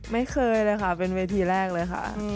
ไม่เคยเลยค่ะเป็นเวทีแรกเลยค่ะ